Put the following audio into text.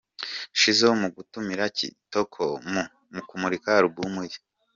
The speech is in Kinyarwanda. Shizzo mu gutumira Kitoko mu kumurika alubumu ye.